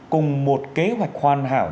cùng một kế hoạch hoàn hảo